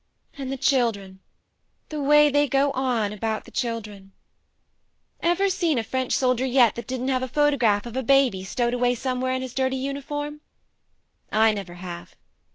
... And the children the way they go on about the children ! Ever seen a French soldier yet that didn't have a photograph of a baby stowed away somewhere in his dirty uniform ?/ never have.